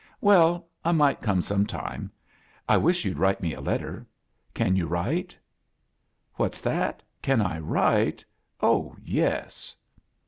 "WeQ, I might come some time. I wish you'd write me a letter. Can yoti ^ writer "What's that? Can I write? Oh yes."